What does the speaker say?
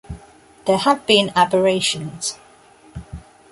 There have been aberrations.